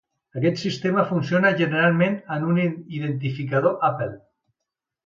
Aquest sistema funciona generalment amb un identificador Apple.